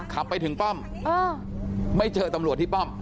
ขับไปถึงป้อมไม่เจอตำรวจที่ป้อม